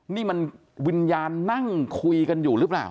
นี่มันวิญญาณนั่งคุยกันอยู่หรือเปล่า